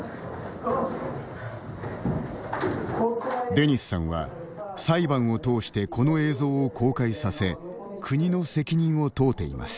デニスさんは、裁判を通してこの映像を公開させ国の責任を問うています。